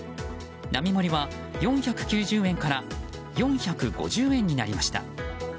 並盛は４９０円から４５０円になりました。